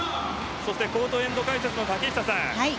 コートエンド解説の竹下さん。